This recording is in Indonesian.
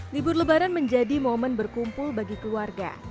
libur lebaran menjadi momen berkumpul bagi keluarga